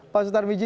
pak sutar miji